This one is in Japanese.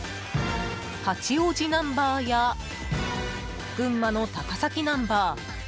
八王子ナンバーや群馬の高崎ナンバー